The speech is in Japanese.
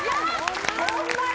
ホンマに？